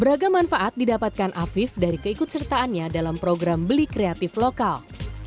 beragam manfaat didapatkan afif dari keikut sertaannya dalam program beli kreatif lokal